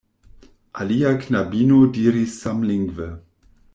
Alia knabino diris samlingve: